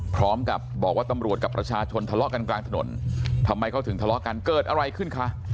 พร้อมกับบอกว่าตำรวจกับประชาชนทะเลาะกันกลางถนนทำไมเขาถึงทะเลาะกันเกิดอะไรขึ้นคะ